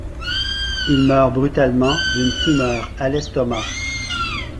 Il meurt brutalement d’une tumeur à l’estomac.